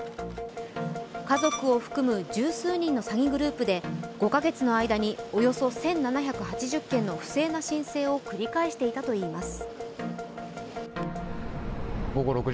家族を含む十数人の詐欺グループで５カ月の間におよそ１７８０件の不正な申請を繰り返していたといいます。